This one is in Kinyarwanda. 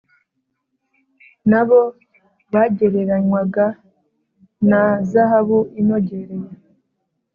nabo bagereranywaga na zahabu inogereye,